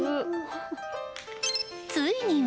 ついには。